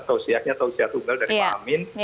tausiahnya tausiah tunggal dari pak amin